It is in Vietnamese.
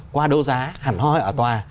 qua đấu giá hẳn hoi ở tòa